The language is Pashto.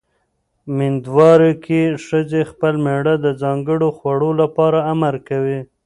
مېندوارۍ کې ښځې خپل مېړه د ځانګړو خوړو لپاره امر کوي.